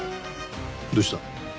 どうした？